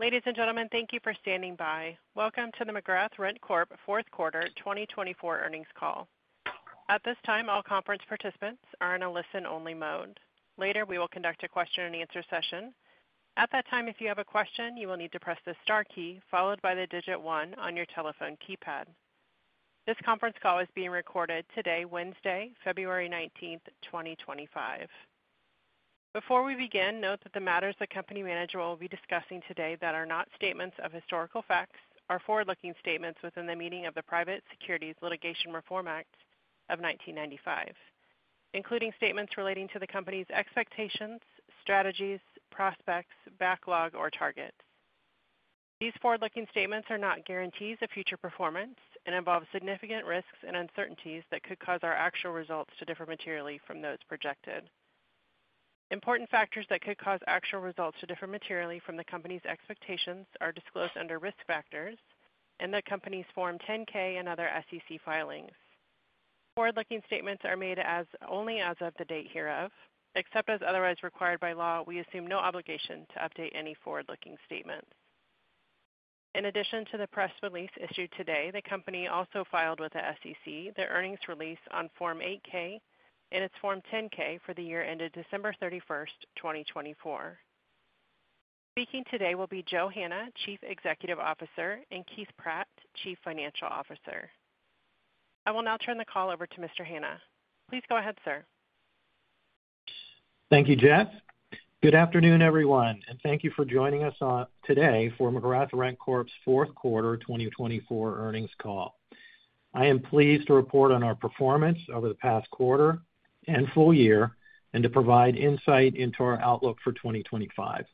Ladies and gentlemen, thank you for standing by. Welcome to the McGrath RentCorp Fourth Quarter 2024 earnings call. At this time, all conference participants are in a listen-only mode. Later, we will conduct a question-and-answer session. At that time, if you have a question, you will need to press the star key followed by the digit one on your telephone keypad. This conference call is being recorded today, Wednesday, February 19th, 2025. Before we begin, note that the matters the company's management will be discussing today that are not statements of historical facts are forward-looking statements within the meaning of the Private Securities Litigation Reform Act of 1995, including statements relating to the company's expectations, strategies, prospects, backlog, or targets. These forward-looking statements are not guarantees of future performance and involve significant risks and uncertainties that could cause our actual results to differ materially from those projected. Important factors that could cause actual results to differ materially from the company's expectations are disclosed under risk factors in the company's Form 10-K and other SEC filings. Forward-looking statements are made only as of the date hereof. Except as otherwise required by law, we assume no obligation to update any forward-looking statements. In addition to the press release issued today, the company also filed with the SEC their earnings release on Form 8-K and its Form 10-K for the year ended December 31st, 2024. Speaking today will be Joe Hanna, Chief Executive Officer, and Keith Pratt, Chief Financial Officer. I will now turn the call over to Mr. Hanna. Please go ahead, sir. Thank you, Jess. Good afternoon, everyone, and thank you for joining us today for McGrath RentCorp's Fourth Quarter 2024 earnings call. I am pleased to report on our performance over the past quarter and full year and to provide insight into our outlook for 2025.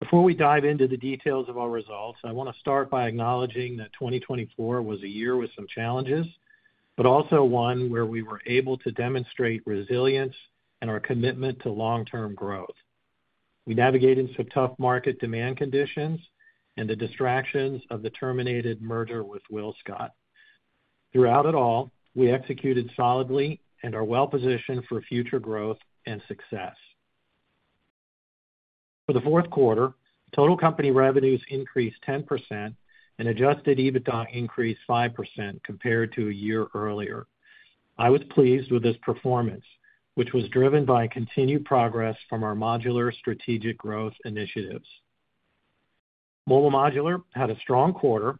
Before we dive into the details of our results, I want to start by acknowledging that 2024 was a year with some challenges, but also one where we were able to demonstrate resilience and our commitment to long-term growth. We navigated some tough market demand conditions and the distractions of the terminated merger with WillScot. Throughout it all, we executed solidly and are well-positioned for future growth and success. For the fourth quarter, total company revenues increased 10% and Adjusted EBITDA increased 5% compared to a year earlier. I was pleased with this performance, which was driven by continued progress from our modular strategic growth initiatives. Mobile Modular had a strong quarter,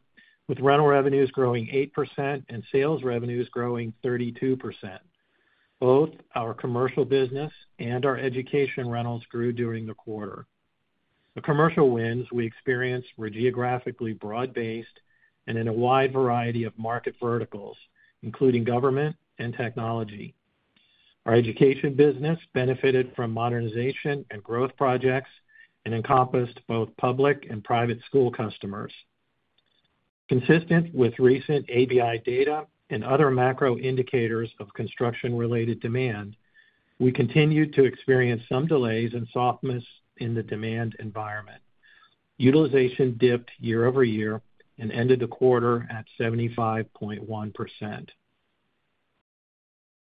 with rental revenues growing 8% and sales revenues growing 32%. Both our commercial business and our education rentals grew during the quarter. The commercial wins we experienced were geographically broad-based and in a wide variety of market verticals, including government and technology. Our education business benefited from modernization and growth projects and encompassed both public and private school customers. Consistent with recent ABI data and other macro indicators of construction-related demand, we continued to experience some delays and softness in the demand environment. Utilization dipped year-over-year and ended the quarter at 75.1%.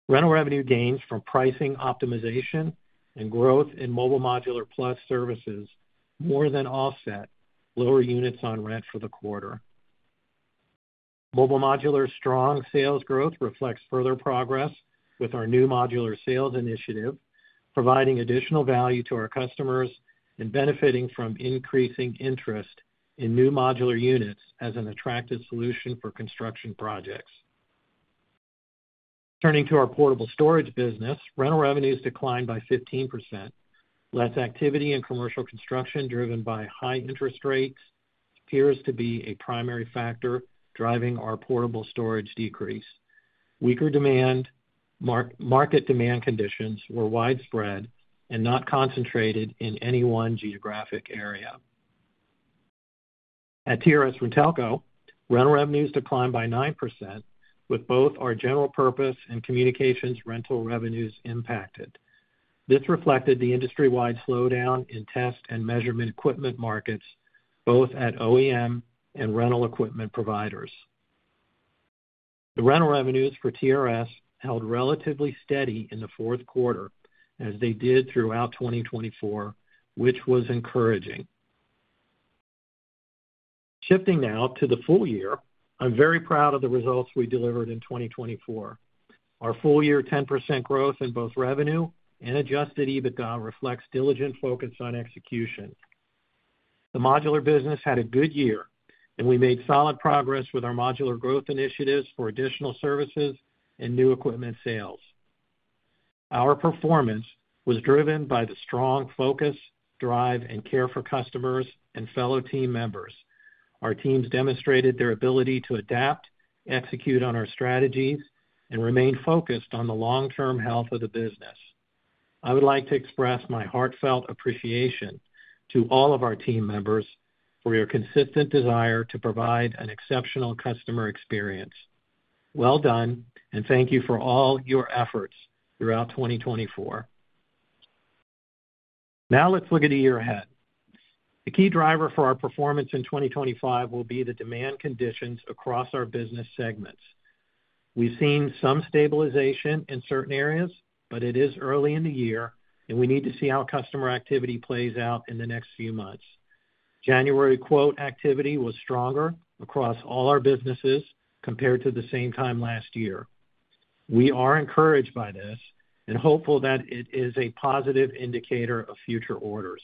Rental revenue gains from pricing optimization and growth in Mobile Modular Plus services more than offset lower units on rent for the quarter. Mobile Modular's strong sales growth reflects further progress with our new modular sales initiative, providing additional value to our customers and benefiting from increasing interest in new modular units as an attractive solution for construction projects. Turning to our portable storage business, rental revenues declined by 15%. Less activity in commercial construction driven by high interest rates appears to be a primary factor driving our portable storage decrease. Weaker demand, market demand conditions were widespread and not concentrated in any one geographic area. At TRS-RenTelco, rental revenues declined by 9%, with both our general purpose and communications rental revenues impacted. This reflected the industry-wide slowdown in test and measurement equipment markets, both at OEM and rental equipment providers. The rental revenues for TRS held relatively steady in the fourth quarter, as they did throughout 2024, which was encouraging. Shifting now to the full year, I'm very proud of the results we delivered in 2024. Our full-year 10% growth in both revenue and Adjusted EBITDA reflects diligent focus on execution. The modular business had a good year, and we made solid progress with our modular growth initiatives for additional services and new equipment sales. Our performance was driven by the strong focus, drive, and care for customers and fellow team members. Our teams demonstrated their ability to adapt, execute on our strategies, and remain focused on the long-term health of the business. I would like to express my heartfelt appreciation to all of our team members for your consistent desire to provide an exceptional customer experience. Well done, and thank you for all your efforts throughout 2024. Now let's look at a year ahead. The key driver for our performance in 2025 will be the demand conditions across our business segments. We've seen some stabilization in certain areas, but it is early in the year, and we need to see how customer activity plays out in the next few months. January quote activity was stronger across all our businesses compared to the same time last year. We are encouraged by this and hopeful that it is a positive indicator of future orders.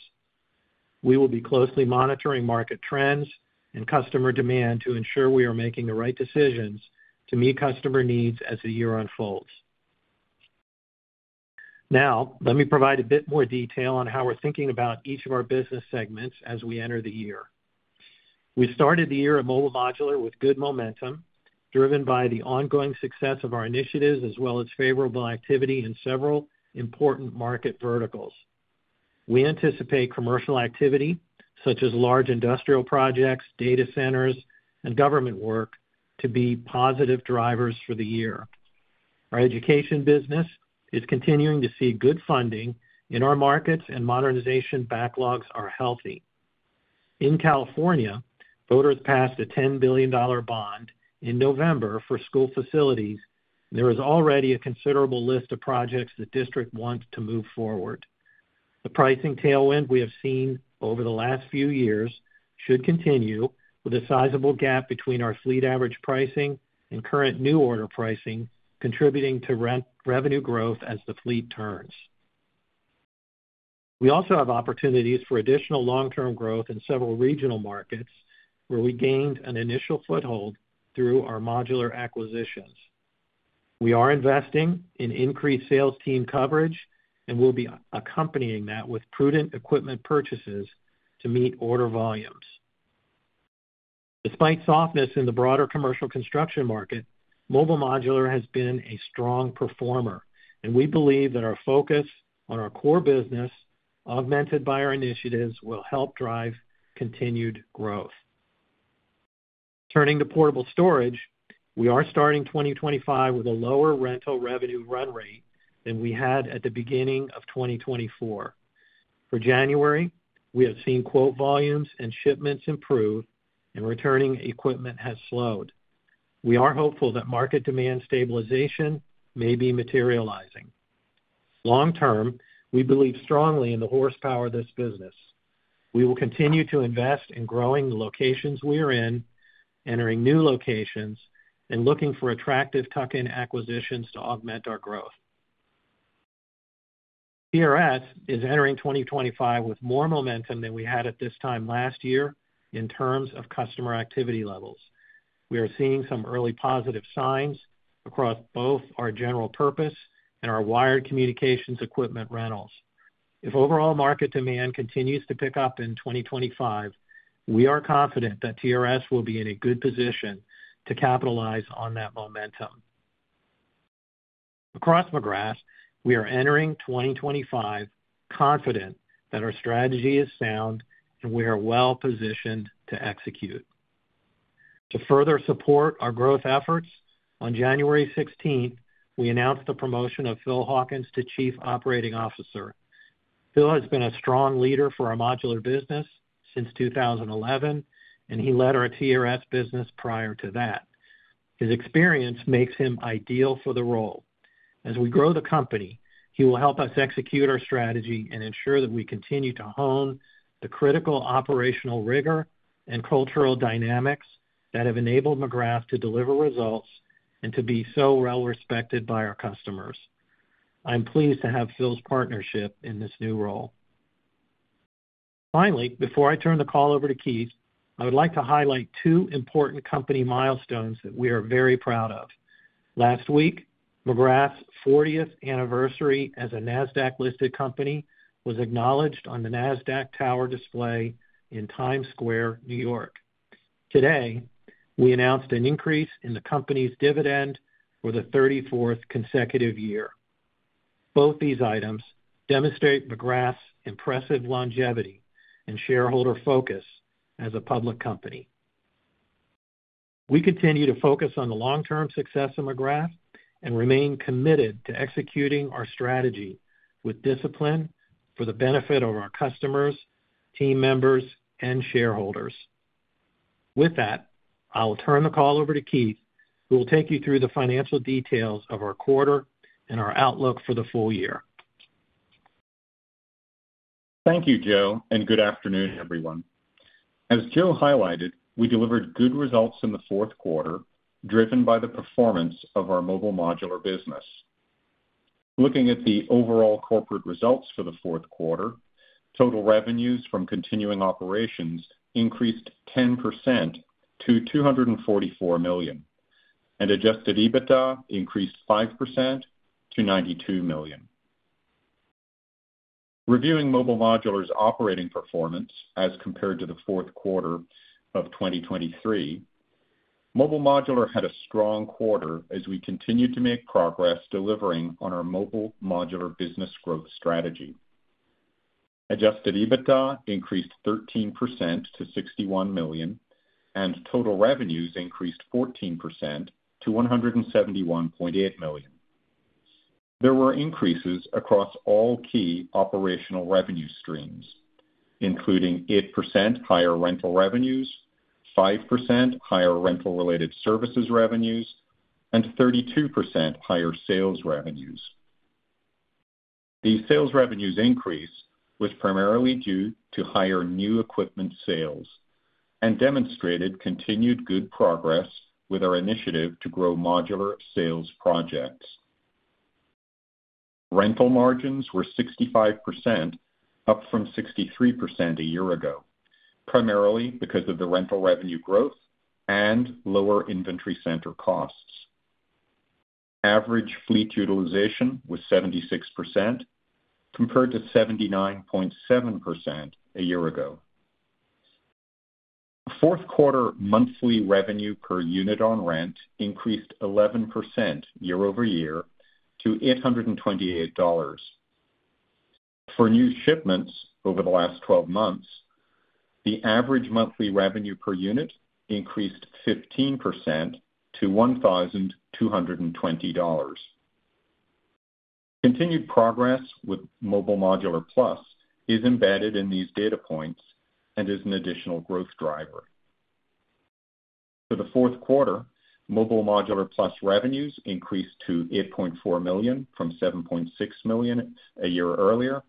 We will be closely monitoring market trends and customer demand to ensure we are making the right decisions to meet customer needs as the year unfolds. Now, let me provide a bit more detail on how we're thinking about each of our business segments as we enter the year. We started the year at Mobile Modular with good momentum, driven by the ongoing success of our initiatives as well as favorable activity in several important market verticals. We anticipate commercial activity, such as large industrial projects, data centers, and government work, to be positive drivers for the year. Our education business is continuing to see good funding in our markets, and modernization backlogs are healthy. In California, voters passed a $10 billion bond in November for school facilities, and there is already a considerable list of projects the district wants to move forward. The pricing tailwind we have seen over the last few years should continue, with a sizable gap between our fleet average pricing and current new order pricing contributing to revenue growth as the fleet turns. We also have opportunities for additional long-term growth in several regional markets where we gained an initial foothold through our modular acquisitions. We are investing in increased sales team coverage and will be accompanying that with prudent equipment purchases to meet order volumes. Despite softness in the broader commercial construction market, Mobile Modular has been a strong performer, and we believe that our focus on our core business, augmented by our initiatives, will help drive continued growth. Turning to portable storage, we are starting 2025 with a lower rental revenue run rate than we had at the beginning of 2024. For January, we have seen quote volumes and shipments improve, and returning equipment has slowed. We are hopeful that market demand stabilization may be materializing. Long term, we believe strongly in the horsepower of this business. We will continue to invest in growing the locations we are in, entering new locations, and looking for attractive tuck-in acquisitions to augment our growth. TRS is entering 2025 with more momentum than we had at this time last year in terms of customer activity levels. We are seeing some early positive signs across both our general purpose and our wired communications equipment rentals. If overall market demand continues to pick up in 2025, we are confident that TRS will be in a good position to capitalize on that momentum. Across McGrath, we are entering 2025 confident that our strategy is sound and we are well-positioned to execute. To further support our growth efforts, on January 16th, we announced the promotion of Phil Hawkins to Chief Operating Officer. Phil has been a strong leader for our modular business since 2011, and he led our TRS business prior to that. His experience makes him ideal for the role. As we grow the company, he will help us execute our strategy and ensure that we continue to hone the critical operational rigor and cultural dynamics that have enabled McGrath to deliver results and to be so well-respected by our customers. I'm pleased to have Phil's partnership in this new role. Finally, before I turn the call over to Keith, I would like to highlight two important company milestones that we are very proud of. Last week, McGrath's 40th anniversary as a NASDAQ-listed company was acknowledged on the NASDAQ Tower display in Times Square, New York. Today, we announced an increase in the company's dividend for the 34th consecutive year. Both these items demonstrate McGrath's impressive longevity and shareholder focus as a public company. We continue to focus on the long-term success of McGrath and remain committed to executing our strategy with discipline for the benefit of our customers, team members, and shareholders. With that, I'll turn the call over to Keith, who will take you through the financial details of our quarter and our outlook for the full year. Thank you, Joe, and good afternoon, everyone. As Joe highlighted, we delivered good results in the fourth quarter, driven by the performance of our Mobile Modular business. Looking at the overall corporate results for the fourth quarter, total revenues from continuing operations increased 10% to $244 million, and Adjusted EBITDA increased 5% to $92 million. Reviewing Mobile Modular's operating performance as compared to the fourth quarter of 2023, Mobile Modular had a strong quarter as we continued to make progress delivering on our Mobile Modular business growth strategy. Adjusted EBITDA increased 13% to $61 million, and total revenues increased 14% to $171.8 million. There were increases across all key operational revenue streams, including 8% higher rental revenues, 5% higher rental-related services revenues, and 32% higher sales revenues. These sales revenues increase was primarily due to higher new equipment sales and demonstrated continued good progress with our initiative to grow modular sales projects. Rental margins were 65%, up from 63% a year ago, primarily because of the rental revenue growth and lower inventory center costs. Average fleet utilization was 76% compared to 79.7% a year ago. Fourth quarter monthly revenue per unit on rent increased 11% year-over-year to $828. For new shipments over the last 12 months, the average monthly revenue per unit increased 15% to $1,220. Continued progress with Mobile Modular Plus is embedded in these data points and is an additional growth driver. For the fourth quarter, Mobile Modular Plus revenues increased to $8.4 million from $7.6 million a year earlier,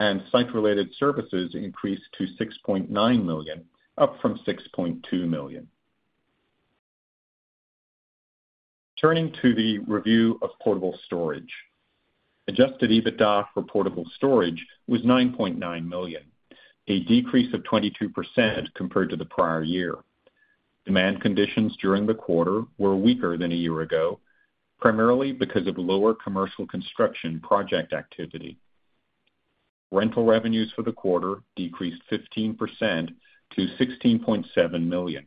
and site-related services increased to $6.9 million, up from $6.2 million. Turning to the review of portable storage, Adjusted EBITDA for portable storage was $9.9 million, a decrease of 22% compared to the prior year. Demand conditions during the quarter were weaker than a year ago, primarily because of lower commercial construction project activity. Rental revenues for the quarter decreased 15% to $16.7 million,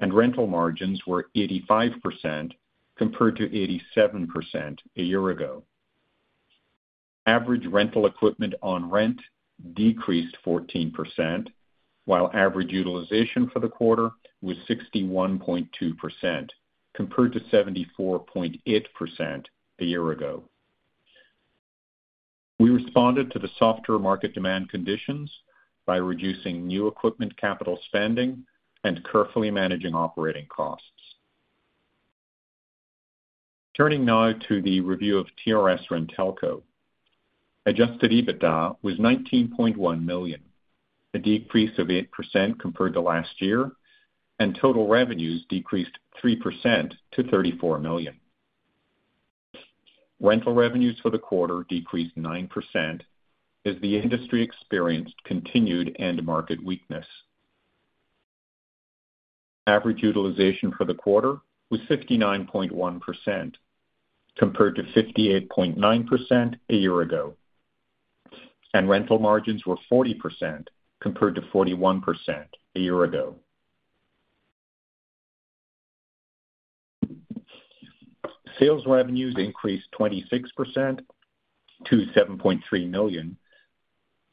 and rental margins were 85% compared to 87% a year ago. Average rental equipment on rent decreased 14%, while average utilization for the quarter was 61.2% compared to 74.8% a year ago. We responded to the softer market demand conditions by reducing new equipment capital spending and carefully managing operating costs. Turning now to the review of TRS-RenTelco, Adjusted EBITDA was $19.1 million, a decrease of 8% compared to last year, and total revenues decreased 3% to $34 million. Rental revenues for the quarter decreased 9% as the industry experienced continued end-market weakness. Average utilization for the quarter was 59.1% compared to 58.9% a year ago, and rental margins were 40% compared to 41% a year ago. Sales revenues increased 26% to $7.3 million,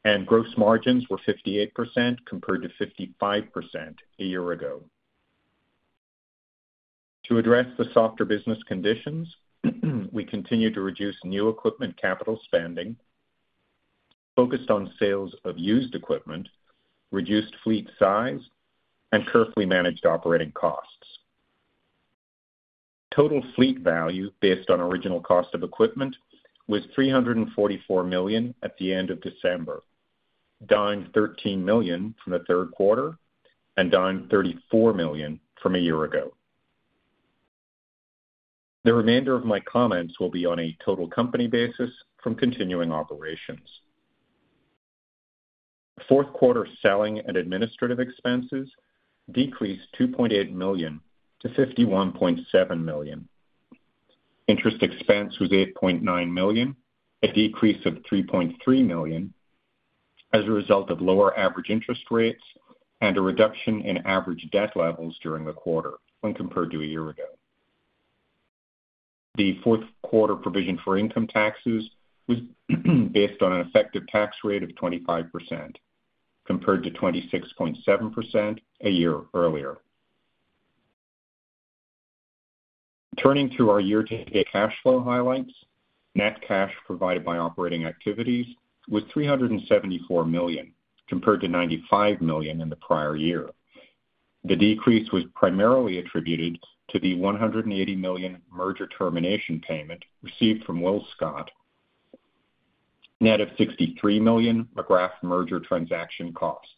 and gross margins were 58% compared to 55% a year ago. To address the softer business conditions, we continued to reduce new equipment capital spending, focused on sales of used equipment, reduced fleet size, and carefully managed operating costs. Total fleet value based on original cost of equipment was $344 million at the end of December, down $13 million from the third quarter and down $34 million from a year ago. The remainder of my comments will be on a total company basis from continuing operations. Fourth quarter selling and administrative expenses decreased $2.8 million-$51.7 million. Interest expense was $8.9 million, a decrease of $3.3 million as a result of lower average interest rates and a reduction in average debt levels during the quarter when compared to a year ago. The fourth quarter provision for income taxes was based on an effective tax rate of 25% compared to 26.7% a year earlier. Turning to our year-to-date cash flow highlights, net cash provided by operating activities was $374 million compared to $95 million in the prior year. The decrease was primarily attributed to the $180 million merger termination payment received from WillScot, net of $63 million McGrath merger transaction costs.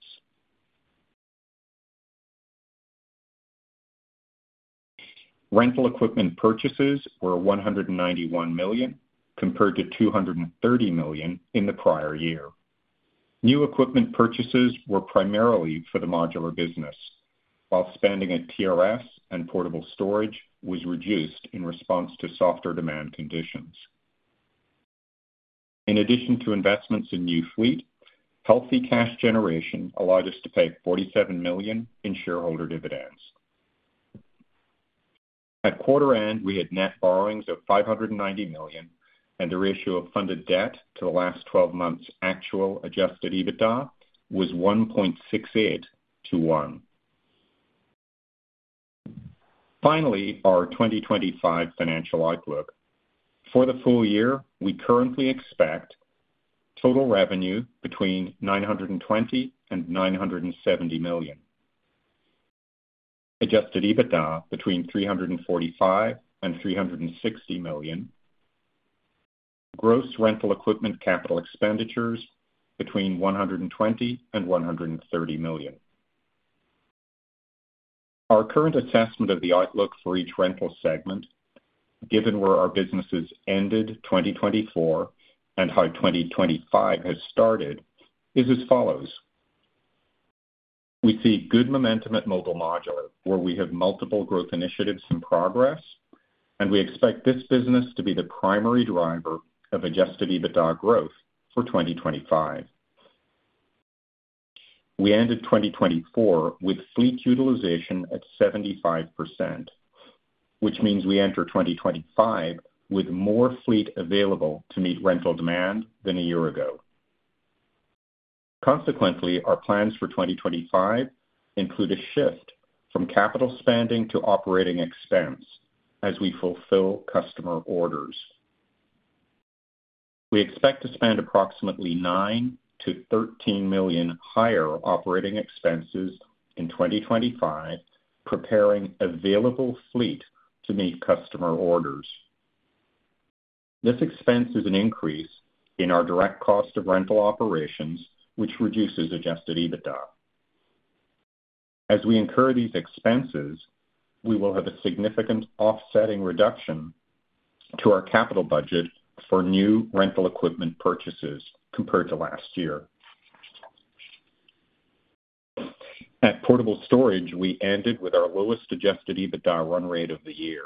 Rental equipment purchases were $191 million compared to $230 million in the prior year. New equipment purchases were primarily for the modular business, while spending at TRS and portable storage was reduced in response to softer demand conditions. In addition to investments in new fleet, healthy cash generation allowed us to pay $47 million in shareholder dividends. At quarter end, we had net borrowings of $590 million, and the ratio of funded debt to the last 12 months' actual Adjusted EBITDA was 1.68 to 1. Finally, our 2025 financial outlook. For the full year, we currently expect total revenue between $920 million and $970 million, Adjusted EBITDA between $345 million and $360 million, gross rental equipment capital expenditures between $120 million and $130 million. Our current assessment of the outlook for each rental segment, given where our businesses ended 2024 and how 2025 has started, is as follows. We see good momentum at Mobile Modular, where we have multiple growth initiatives in progress, and we expect this business to be the primary driver of Adjusted EBITDA growth for 2025. We ended 2024 with fleet utilization at 75%, which means we enter 2025 with more fleet available to meet rental demand than a year ago. Consequently, our plans for 2025 include a shift from capital spending to operating expense as we fulfill customer orders. We expect to spend approximately $9 million-$13 million higher operating expenses in 2025, preparing available fleet to meet customer orders. This expense is an increase in our direct cost of rental operations, which reduces Adjusted EBITDA. As we incur these expenses, we will have a significant offsetting reduction to our capital budget for new rental equipment purchases compared to last year. At portable storage, we ended with our lowest Adjusted EBITDA run rate of the year.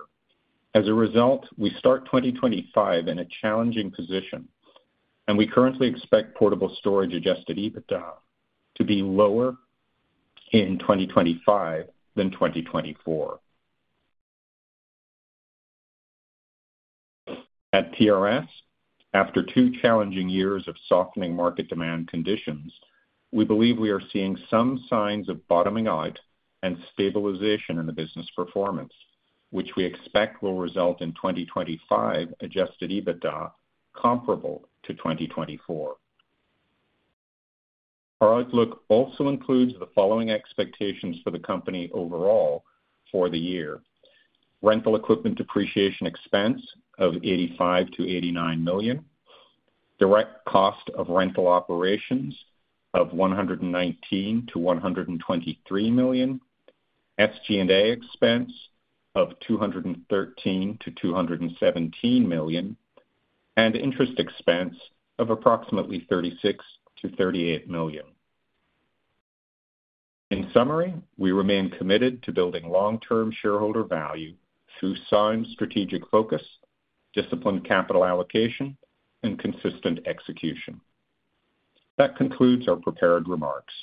As a result, we start 2025 in a challenging position, and we currently expect portable storage Adjusted EBITDA to be lower in 2025 than 2024. At TRS, after two challenging years of softening market demand conditions, we believe we are seeing some signs of bottoming out and stabilization in the business performance, which we expect will result in 2025 Adjusted EBITDA comparable to 2024. Our outlook also includes the following expectations for the company overall for the year: rental equipment depreciation expense of $85 million-$89 million, direct cost of rental operations of $119 million-$123 million, SG&A expense of $213 million-$217 million, and interest expense of approximately $36 million-$38 million. In summary, we remain committed to building long-term shareholder value through sound strategic focus, disciplined capital allocation, and consistent execution. That concludes our prepared remarks.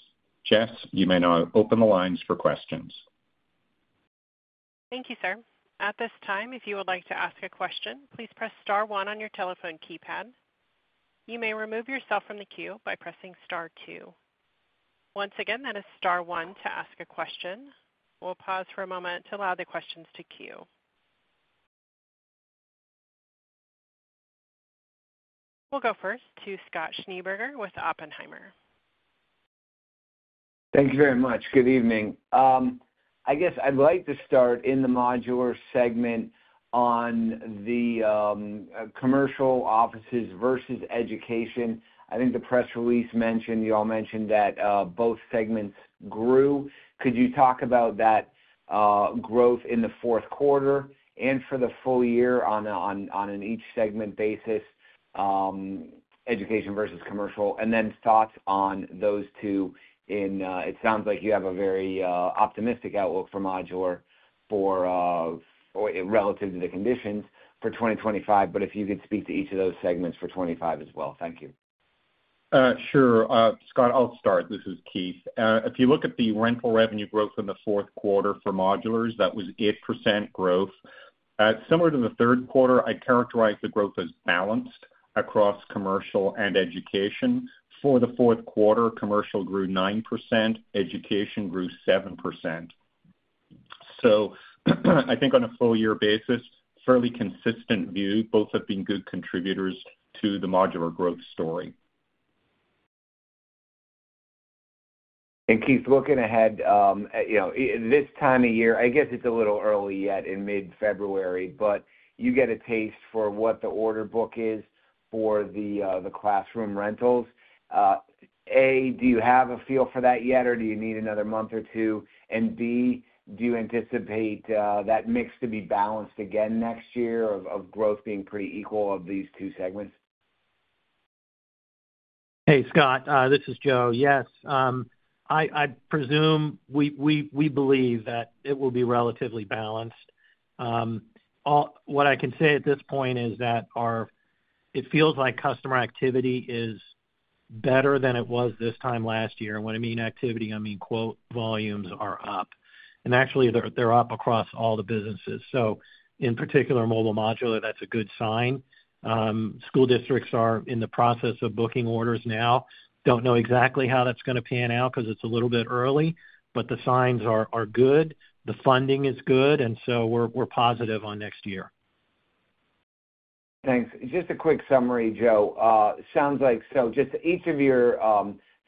Jess, you may now open the lines for questions. Thank you, sir. At this time, if you would like to ask a question, please press star one on your telephone keypad. You may remove yourself from the queue by pressing star two. Once again, that is star one to ask a question. We'll pause for a moment to allow the questions to queue. We'll go first to Scott Schneeberger with Oppenheimer. Thank you very much. Good evening. I guess I'd like to start in the modular segment on the commercial offices versus education. I think the press release mentioned. You all mentioned that both segments grew. Could you talk about that growth in the fourth quarter and for the full year on an each-segment basis, education versus commercial, and then thoughts on those two. It sounds like you have a very optimistic outlook for modular relative to the conditions for 2025, but if you could speak to each of those segments for 2025 as well. Thank you. Sure. Scott, I'll start. This is Keith. If you look at the rental revenue growth in the fourth quarter for modulars, that was 8% growth. Similar to the third quarter, I characterize the growth as balanced across commercial and education. For the fourth quarter, commercial grew 9%, education grew 7%. So I think on a full-year basis, fairly consistent view. Both have been good contributors to the modular growth story. Keith, looking ahead, this time of year, I guess it's a little early yet in mid-February, but you get a taste for what the order book is for the classroom rentals. A, do you have a feel for that yet, or do you need another month or two? And B, do you anticipate that mix to be balanced again next year of growth being pretty equal of these two segments? Hey, Scott, this is Joe. Yes, I presume we believe that it will be relatively balanced. What I can say at this point is that it feels like customer activity is better than it was this time last year. And when I mean activity, I mean quote volumes are up. And actually, they're up across all the businesses. So in particular, Mobile Modular, that's a good sign. School districts are in the process of booking orders now. Don't know exactly how that's going to pan out because it's a little bit early, but the signs are good. The funding is good, and so we're positive on next year. Thanks. Just a quick summary, Joe. Sounds like so just each of your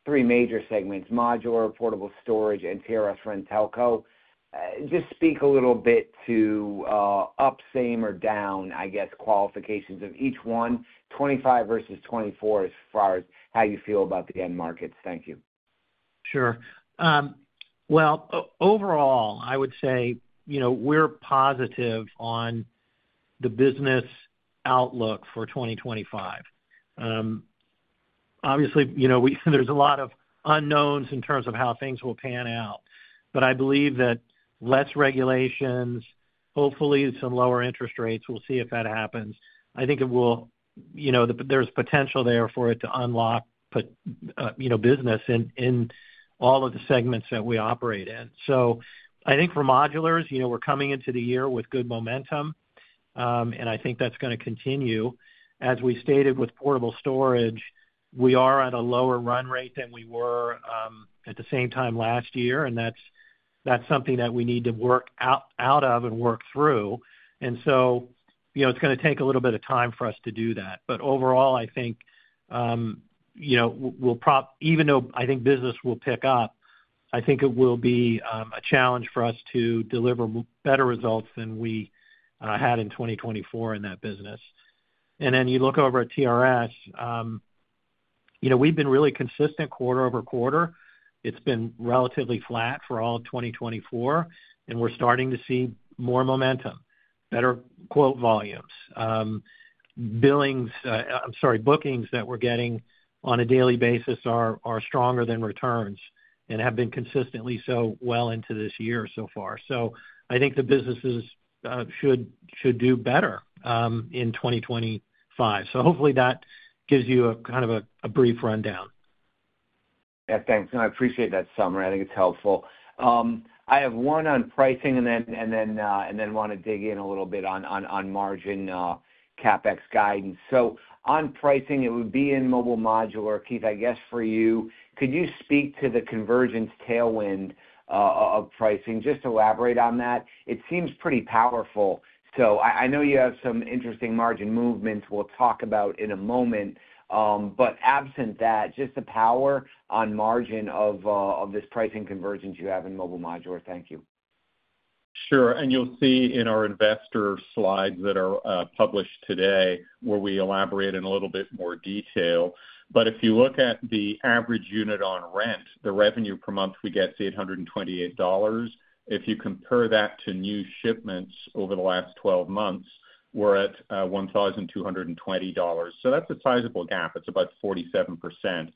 three major segments, modular, portable storage, and TRS-RenTelco, just speak a little bit to up, same, or down, I guess, qualifications of each one, 2025 versus 2024 as far as how you feel about the end markets? Thank you. Sure. Well, overall, I would say we're positive on the business outlook for 2025. Obviously, there's a lot of unknowns in terms of how things will pan out, but I believe that less regulations, hopefully some lower interest rates. We'll see if that happens. I think there's potential there for it to unlock business in all of the segments that we operate in. So I think for modulars, we're coming into the year with good momentum, and I think that's going to continue. As we stated with portable storage, we are at a lower run rate than we were at the same time last year, and that's something that we need to work out of and work through. And so it's going to take a little bit of time for us to do that. But overall, I think even though I think business will pick up, I think it will be a challenge for us to deliver better results than we had in 2024 in that business. And then you look over at TRS, we've been really consistent quarter-over-quarter. It's been relatively flat for all of 2024, and we're starting to see more momentum, better quote volumes. Bookings that we're getting on a daily basis are stronger than returns and have been consistently so well into this year so far. So I think the businesses should do better in 2025. So hopefully that gives you kind of a brief rundown. Yeah, thanks. And I appreciate that summary. I think it's helpful. I have one on pricing and then want to dig in a little bit on margin CapEx guidance. So on pricing, it would be in Mobile Modular. Keith, I guess for you, could you speak to the convergence tailwind of pricing? Just elaborate on that. It seems pretty powerful. So I know you have some interesting margin movements we'll talk about in a moment, but absent that, just the power on margin of this pricing convergence you have in Mobile Modular. Thank you. Sure. And you'll see in our investor slides that are published today, where we elaborate in a little bit more detail. But if you look at the average unit on rent, the revenue per month we get is $828. If you compare that to new shipments over the last 12 months, we're at $1,220. So that's a sizable gap. It's about 47%.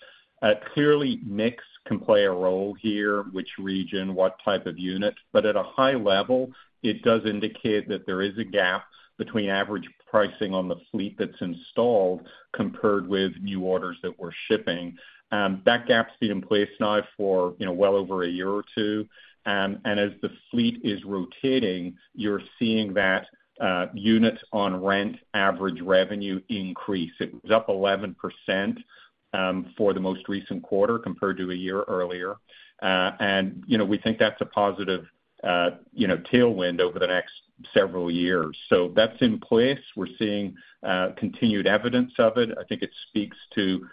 Clearly, mix can play a role here, which region, what type of unit. But at a high level, it does indicate that there is a gap between average pricing on the fleet that's installed compared with new orders that we're shipping. That gap's been in place now for well over a year or two. And as the fleet is rotating, you're seeing that unit on rent average revenue increase. It was up 11% for the most recent quarter compared to a year earlier. And we think that's a positive tailwind over the next several years. So that's in place. We're seeing continued evidence of it. I think it speaks to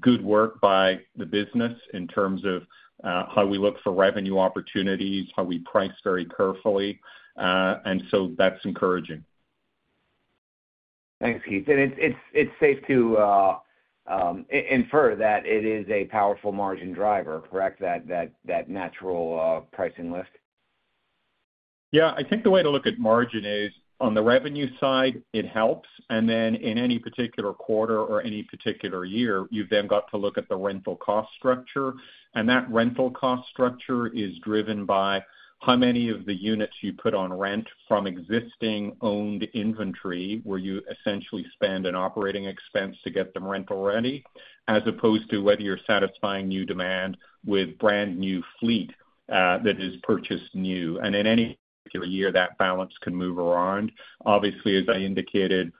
good work by the business in terms of how we look for revenue opportunities, how we price very carefully. And so that's encouraging. Thanks, Keith. And it's safe to infer that it is a powerful margin driver, correct? That natural pricing lift. Yeah. I think the way to look at margin is on the revenue side, it helps. And then in any particular quarter or any particular year, you've then got to look at the rental cost structure. And that rental cost structure is driven by how many of the units you put on rent from existing owned inventory where you essentially spend an operating expense to get them rental ready, as opposed to whether you're satisfying new demand with brand new fleet that is purchased new. And in any particular year, that balance can move around. Obviously, as I indicated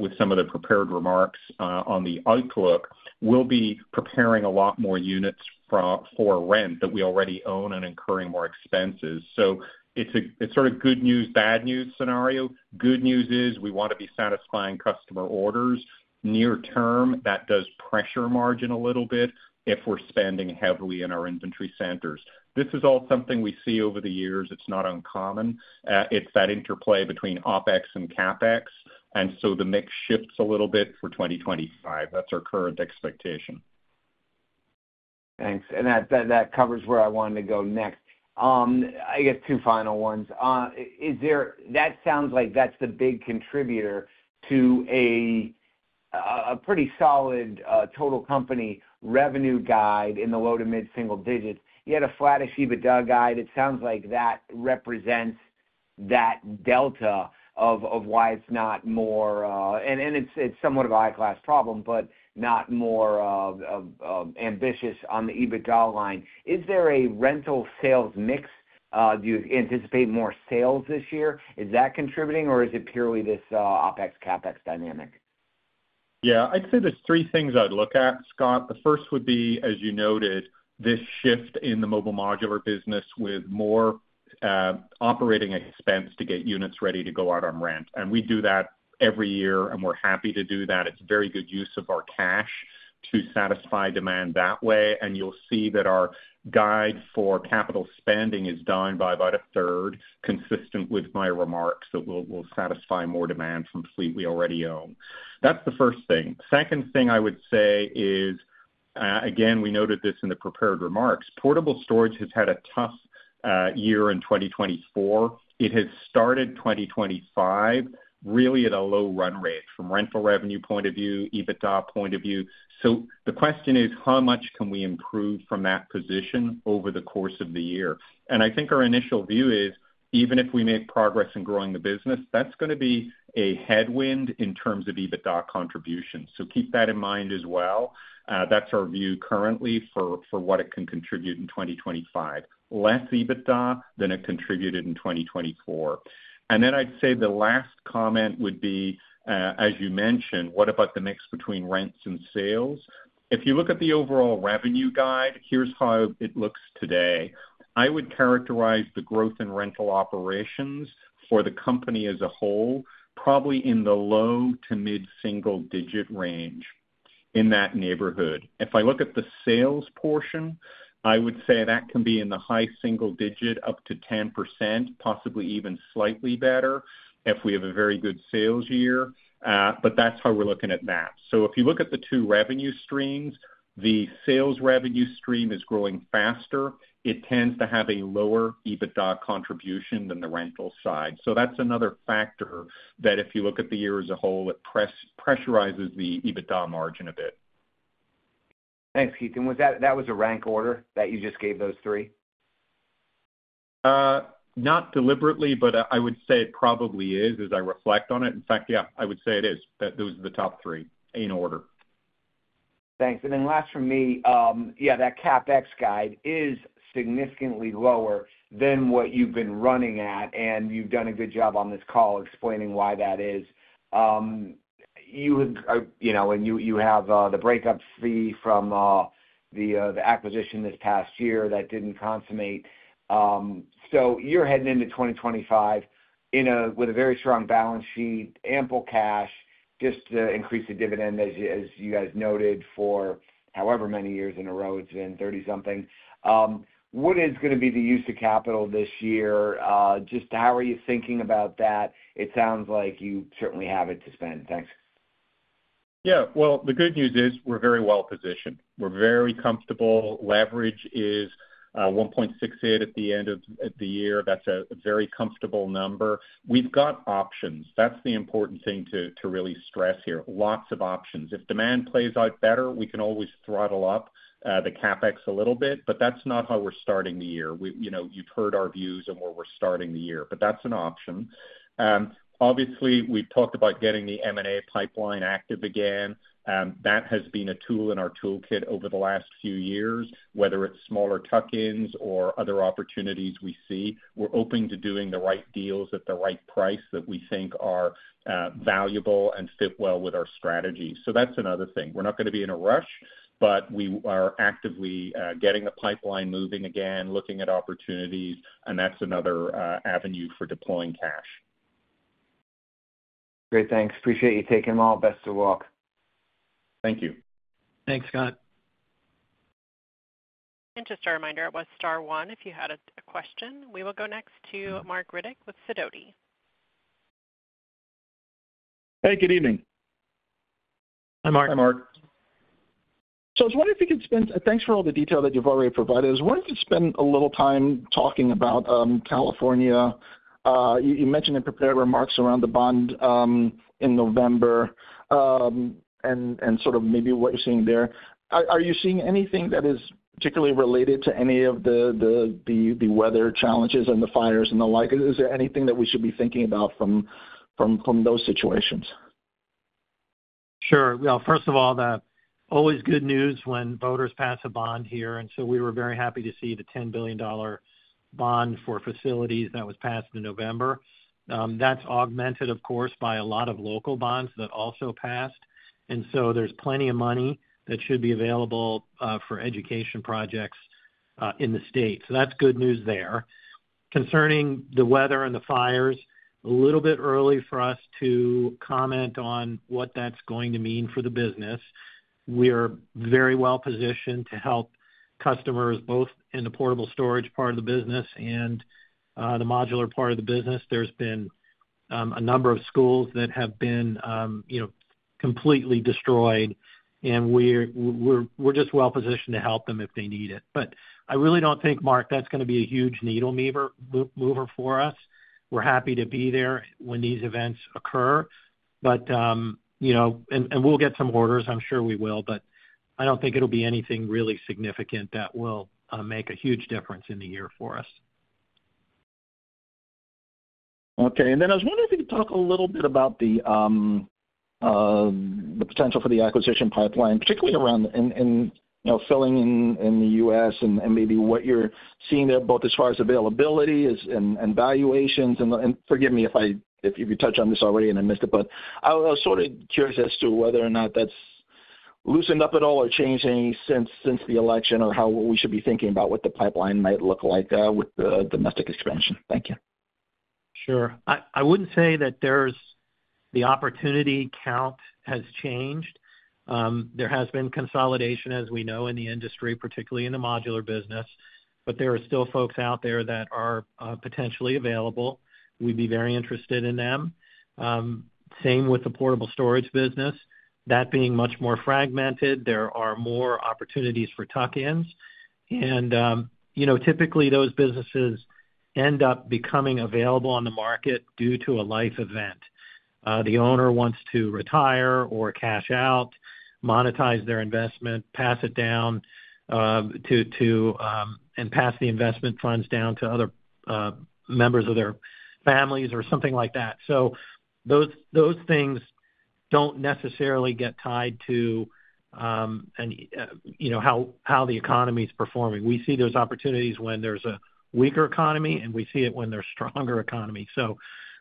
with some of the prepared remarks on the outlook, we'll be preparing a lot more units for rent that we already own and incurring more expenses. So it's sort of good news, bad news scenario. Good news is we want to be satisfying customer orders. Near term, that does pressure margin a little bit if we're spending heavily in our inventory centers. This is all something we see over the years. It's not uncommon. It's that interplay between OpEx and CapEx. And so the mix shifts a little bit for 2025. That's our current expectation. Thanks. And that covers where I wanted to go next. I guess two final ones. That sounds like that's the big contributor to a pretty solid total company revenue guide in the low to mid-single digits. You had a flattish EBITDA guide. It sounds like that represents that delta of why it's not more, and it's somewhat of a high-class problem, but not more ambitious on the EBITDA line. Is there a rental sales mix? Do you anticipate more sales this year? Is that contributing, or is it purely this OpEx, CapEx dynamic? Yeah. I'd say there are three things I'd look at, Scott. The first would be, as you noted, this shift in the mobile modular business with more operating expense to get units ready to go out on rent. And we do that every year, and we're happy to do that. It's very good use of our cash to satisfy demand that way. And you'll see that our guide for capital spending is down by about a third, consistent with my remarks that we'll satisfy more demand from fleet we already own. That's the first thing. Second thing I would say is, again, we noted this in the prepared remarks. Portable storage has had a tough year in 2024. It has started 2025 really at a low run rate from rental revenue point of view, EBITDA point of view. So the question is, how much can we improve from that position over the course of the year? And I think our initial view is, even if we make progress in growing the business, that's going to be a headwind in terms of EBITDA contributions. So keep that in mind as well. That's our view currently for what it can contribute in 2025. Less EBITDA than it contributed in 2024. And then I'd say the last comment would be, as you mentioned, what about the mix between rents and sales? If you look at the overall revenue guide, here's how it looks today. I would characterize the growth in rental operations for the company as a whole probably in the low to mid-single digit range in that neighborhood. If I look at the sales portion, I would say that can be in the high single digit up to 10%, possibly even slightly better if we have a very good sales year. But that's how we're looking at that. So if you look at the two revenue streams, the sales revenue stream is growing faster. It tends to have a lower EBITDA contribution than the rental side. So that's another factor that if you look at the year as a whole, it pressurizes the EBITDA margin a bit. Thanks, Keith. And that was a rank order that you just gave those three? Not deliberately, but I would say it probably is as I reflect on it. In fact, yeah, I would say it is. Those are the top three in order. Thanks. And then last for me, yeah, that CapEx guide is significantly lower than what you've been running at, and you've done a good job on this call explaining why that is. You have the breakup fee from the acquisition this past year that didn't consummate. So you're heading into 2025 with a very strong balance sheet, ample cash just to increase the dividend, as you guys noted, for however many years in a row it's been 30-something. What is going to be the use of capital this year? Just how are you thinking about that? It sounds like you certainly have it to spend. Thanks. Yeah. Well, the good news is we're very well positioned. We're very comfortable. Leverage is 1.68 at the end of the year. That's a very comfortable number. We've got options. That's the important thing to really stress here. Lots of options. If demand plays out better, we can always throttle up the CapEx a little bit, but that's not how we're starting the year. You've heard our views on where we're starting the year, but that's an option. Obviously, we've talked about getting the M&A pipeline active again. That has been a tool in our toolkit over the last few years, whether it's smaller tuck-ins or other opportunities we see. We're open to doing the right deals at the right price that we think are valuable and fit well with our strategy. So that's another thing. We're not going to be in a rush, but we are actively getting the pipeline moving again, looking at opportunities, and that's another avenue for deploying cash. Great. Thanks. Appreciate you taking them all. Best of luck. Thank you. Thanks, Scott. And just a reminder, it was star one if you had a question. We will go next to Marc Riddick with Sidoti. Hey, good evening. Hi, Marc. Hi, Marc. So I was wondering if we could spend, thanks for all the detail that you've already provided, I was wondering if we could spend a little time talking about California. You mentioned in prepared remarks around the bond in November and sort of maybe what you're seeing there. Are you seeing anything that is particularly related to any of the weather challenges and the fires and the like? Is there anything that we should be thinking about from those situations? Sure. Well, first of all, the always good news when voters pass a bond here. And so we were very happy to see the $10 billion bond for facilities that was passed in November. That's augmented, of course, by a lot of local bonds that also passed. And so there's plenty of money that should be available for education projects in the state. So that's good news there. Concerning the weather and the fires, a little bit early for us to comment on what that's going to mean for the business. We are very well positioned to help customers both in the portable storage part of the business and the modular part of the business. There's been a number of schools that have been completely destroyed, and we're just well positioned to help them if they need it, but I really don't think, Marc, that's going to be a huge needle mover for us. We're happy to be there when these events occur, and we'll get some orders. I'm sure we will, but I don't think it'll be anything really significant that will make a huge difference in the year for us. Okay. And then I was wondering if we could talk a little bit about the potential for the acquisition pipeline, particularly around filling in the U.S. and maybe what you're seeing there, both as far as availability and valuations. And forgive me if you touched on this already and I missed it, but I was sort of curious as to whether or not that's loosened up at all or changed any since the election or how we should be thinking about what the pipeline might look like with domestic expansion. Thank you. Sure. I wouldn't say that the opportunity count has changed. There has been consolidation, as we know, in the industry, particularly in the modular business, but there are still folks out there that are potentially available. We'd be very interested in them. Same with the portable storage business. That being much more fragmented, there are more opportunities for tuck-ins. And typically, those businesses end up becoming available on the market due to a life event. The owner wants to retire or cash out, monetize their investment, pass it down, and pass the investment funds down to other members of their families or something like that. So those things don't necessarily get tied to how the economy's performing. We see those opportunities when there's a weaker economy, and we see it when there's a stronger economy. So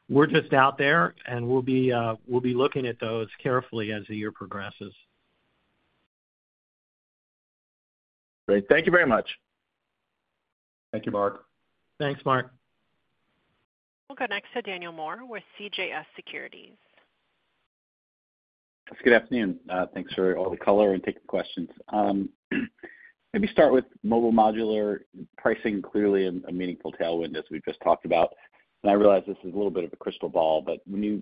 we're just out there, and we'll be looking at those carefully as the year progresses. Great. Thank you very much. Thank you, Marc. Thanks, Marc. We'll go next to Daniel Moore with CJS Securities. Good afternoon. Thanks for all the color and taking questions. Maybe start with Mobile Modular pricing, clearly a meaningful tailwind as we've just talked about, and I realize this is a little bit of a crystal ball, but when you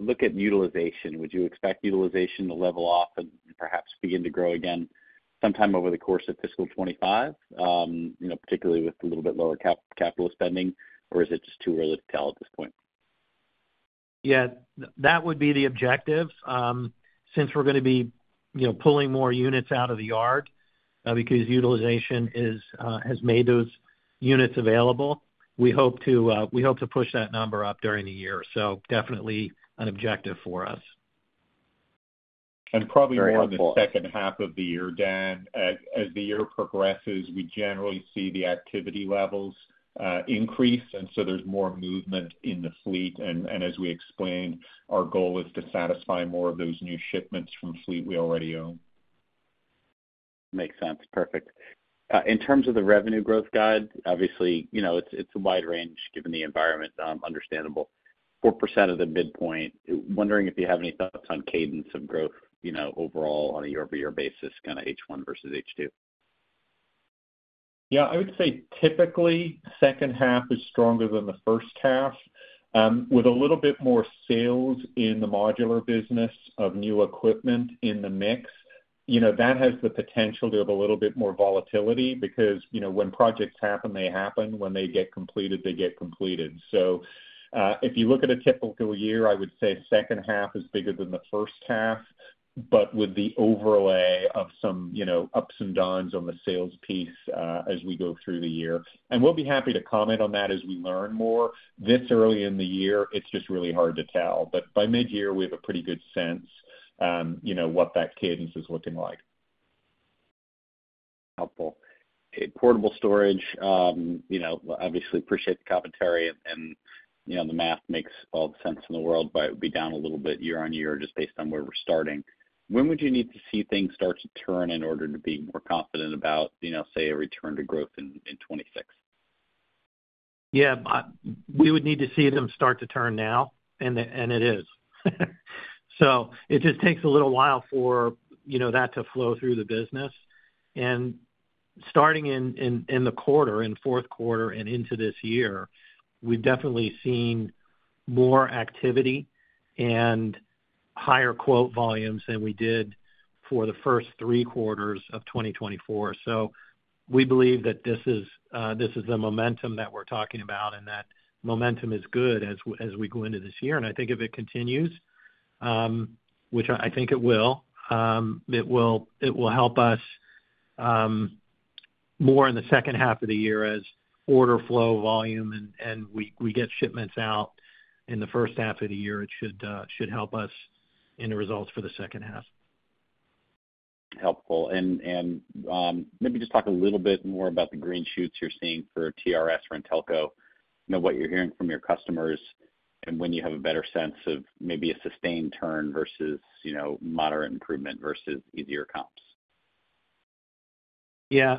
look at utilization, would you expect utilization to level off and perhaps begin to grow again sometime over the course of fiscal 2025, particularly with a little bit lower capital spending, or is it just too early to tell at this point? Yeah. That would be the objective. Since we're going to be pulling more units out of the yard because utilization has made those units available, we hope to push that number up during the year. So definitely an objective for us. Probably more in the second half of the year, Dan. As the year progresses, we generally see the activity levels increase, and so there's more movement in the fleet. As we explained, our goal is to satisfy more of those new shipments from fleet we already own. Makes sense. Perfect. In terms of the revenue growth guide, obviously, it's a wide range given the environment. Understandable. 4% of the midpoint. Wondering if you have any thoughts on cadence of growth overall on a year-over-year basis, kind of H1 versus H2? Yeah. I would say typically second half is stronger than the first half. With a little bit more sales in the modular business of new equipment in the mix, that has the potential to have a little bit more volatility because when projects happen, they happen. When they get completed, they get completed. So if you look at a typical year, I would say second half is bigger than the first half, but with the overlay of some ups and downs on the sales piece as we go through the year. And we'll be happy to comment on that as we learn more. This early in the year, it's just really hard to tell. But by midyear, we have a pretty good sense of what that cadence is looking like. Helpful. Portable storage, obviously, appreciate the commentary, and the math makes all the sense in the world, but it would be down a little bit year on year just based on where we're starting. When would you need to see things start to turn in order to be more confident about, say, a return to growth in 2026? Yeah. We would need to see them start to turn now, and it is. So it just takes a little while for that to flow through the business. And starting in the quarter, in fourth quarter, and into this year, we've definitely seen more activity and higher quote volumes than we did for the first three quarters of 2024. So we believe that this is the momentum that we're talking about, and that momentum is good as we go into this year. And I think if it continues, which I think it will, it will help us more in the second half of the year as order flow volume, and we get shipments out in the first half of the year. It should help us in the results for the second half. Helpful. And maybe just talk a little bit more about the green shoots you're seeing for TRS-RenTelco, what you're hearing from your customers, and when you have a better sense of maybe a sustained turn versus moderate improvement versus easier comps? Yeah.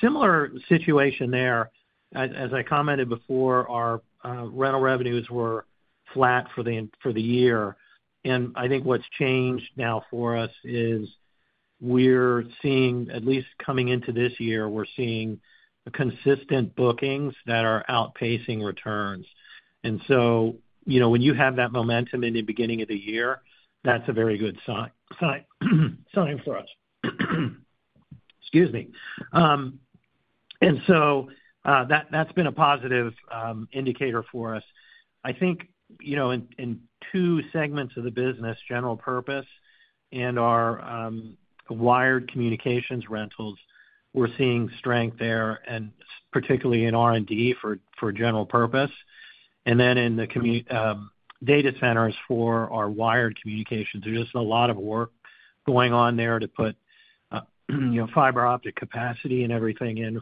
Similar situation there. As I commented before, our rental revenues were flat for the year, and I think what's changed now for us is we're seeing, at least coming into this year, we're seeing consistent bookings that are outpacing returns, and so when you have that momentum in the beginning of the year, that's a very good sign for us. Excuse me. And so that's been a positive indicator for us. I think in two segments of the business, general purpose and our wired communications rentals, we're seeing strength there, and particularly in R&D for general purpose, and then in the data centers for our wired communications, there's just a lot of work going on there to put fiber optic capacity and everything in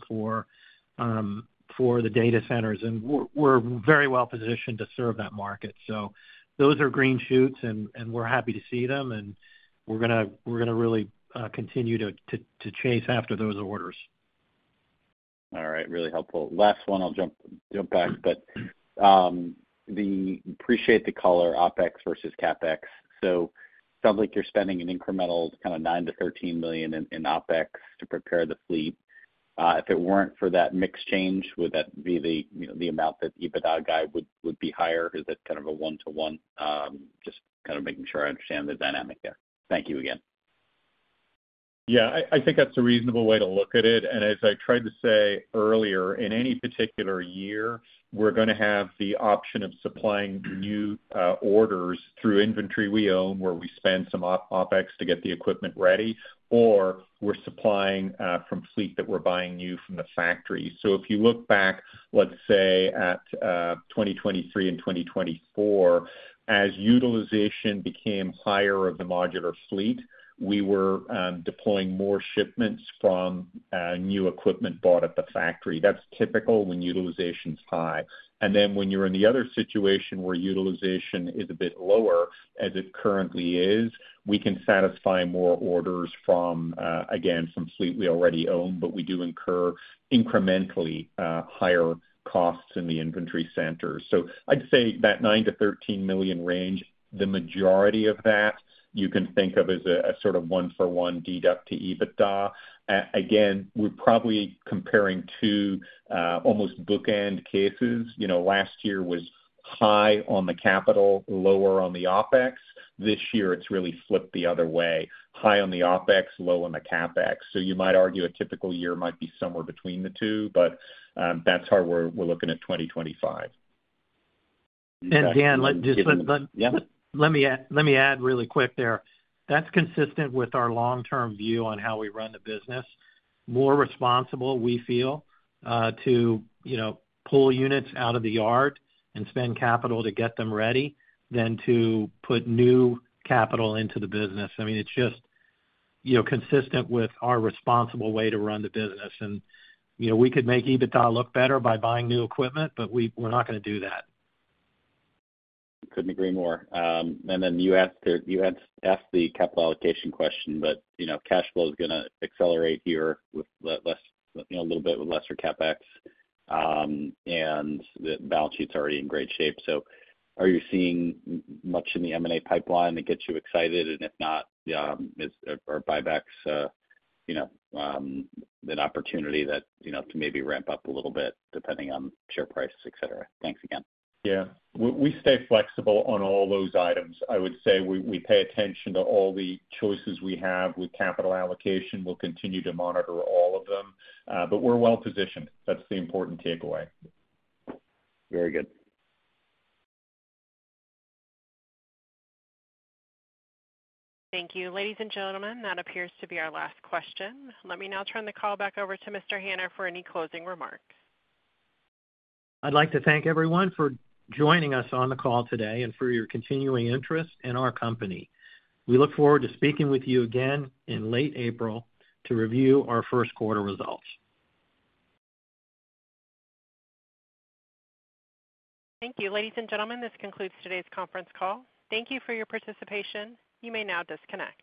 for the data centers, and we're very well positioned to serve that market. So those are green shoots, and we're happy to see them, and we're going to really continue to chase after those orders. All right. Really helpful. Last one, I'll jump back, but we appreciate the color, OpEx versus CapEx. So it sounds like you're spending an incremental kind of $9 million-$13 million in OpEx to prepare the fleet. If it weren't for that mix change, would that be the amount that EBITDA guy would be higher? Is that kind of a one-to-one? Just kind of making sure I understand the dynamic there. Thank you again. Yeah. I think that's a reasonable way to look at it. And as I tried to say earlier, in any particular year, we're going to have the option of supplying new orders through inventory we own where we spend some OpEx to get the equipment ready, or we're supplying from fleet that we're buying new from the factory. So if you look back, let's say, at 2023 and 2024, as utilization became higher of the modular fleet, we were deploying more shipments from new equipment bought at the factory. That's typical when utilization's high. And then when you're in the other situation where utilization is a bit lower, as it currently is, we can satisfy more orders, again, from fleet we already own, but we do incur incrementally higher costs in the inventory centers. So I'd say that $9 million-$13 million range, the majority of that, you can think of as a sort of one-for-one deduct to EBITDA. Again, we're probably comparing two almost bookend cases. Last year was high on the capital, lower on the OpEx. This year, it's really flipped the other way. High on the OpEx, low on the CapEx. So you might argue a typical year might be somewhere between the two, but that's how we're looking at 2025. And Dan, just let me add really quick there. That's consistent with our long-term view on how we run the business. More responsible, we feel, to pull units out of the yard and spend capital to get them ready than to put new capital into the business. I mean, it's just consistent with our responsible way to run the business. And we could make EBITDA look better by buying new equipment, but we're not going to do that. Couldn't agree more. And then you asked the capital allocation question, but cash flow is going to accelerate here a little bit with lesser CapEx, and the balance sheet's already in great shape. So are you seeing much in the M&A pipeline that gets you excited? And if not, are buybacks an opportunity to maybe ramp up a little bit depending on share price, etc.? Thanks again. Yeah. We stay flexible on all those items. I would say we pay attention to all the choices we have with capital allocation. We'll continue to monitor all of them, but we're well positioned. That's the important takeaway. Very good. Thank you, ladies and gentlemen. That appears to be our last question. Let me now turn the call back over to Mr. Hanna for any closing remarks. I'd like to thank everyone for joining us on the call today and for your continuing interest in our company. We look forward to speaking with you again in late April to review our first quarter results. Thank you, ladies and gentlemen. This concludes today's conference call. Thank you for your participation. You may now disconnect.